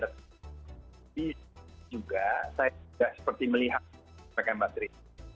dan juga saya tidak seperti melihat pakai baterai